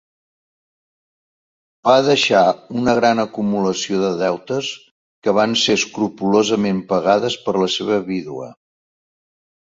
Va deixar una gran acumulació de deutes, que van ser escrupolosament pagades per la seva vídua.